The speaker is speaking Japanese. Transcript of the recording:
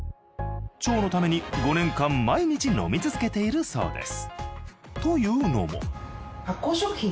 腸のために５年間毎日飲み続けているそうです。